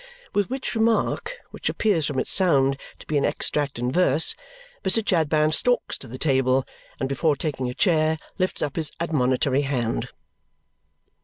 With which remark, which appears from its sound to be an extract in verse, Mr. Chadband stalks to the table, and before taking a chair, lifts up his admonitory hand.